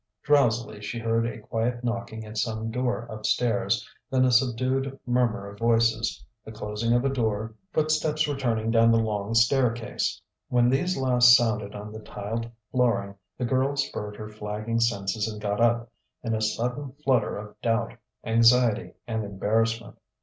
Drowsily she heard a quiet knocking at some door upstairs; then a subdued murmur of voices, the closing of a door, footsteps returning down the long staircase. When these last sounded on the tiled flooring, the girl spurred her flagging senses and got up in a sudden flutter of doubt, anxiety, and embarrassment.